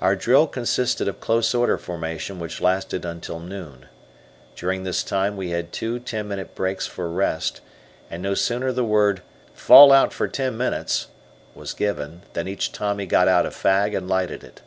Our drill consisted of close order formation which lasted until noon. During this time we had two ten minute breaks for rest, and no sooner the word, "Pull out for ten minutes," was given, than each Tommy got out a fag and lighted it.